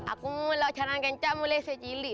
aku mau melakukan jaran kencak mulai dari kecil